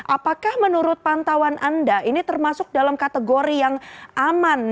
apakah menurut pantauan anda ini termasuk dalam kategori yang aman